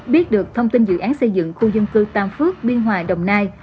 biết được thông tin dự án xây dựng khu dân cư tam phước biên hòa đồng nai